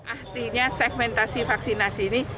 akhirnya segmentasi vaksinasi ini